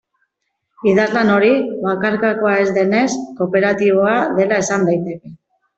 Idazlan hori, bakarkakoa ez denez, kooperatiboa dela esan daiteke.